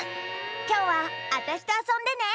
きょうはあたしとあそんでね！